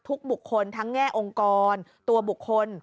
บุคคลทั้งแง่องค์กรตัวบุคคล